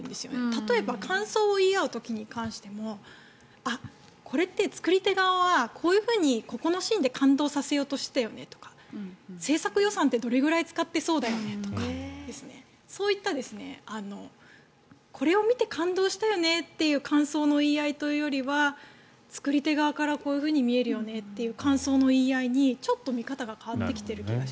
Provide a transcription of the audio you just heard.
例えば感想を言い合う時に関してもあ、これって作り手側はここのシーンで感動させようとしていたよねとか制作予算ってどれぐらい使ってそうだよねとかそういったこれを見て感動したよねという感想の言い合いというよりは作り手側からこう見えるよねという感想の言い合いにちょっと見方が変わってきてる感じが。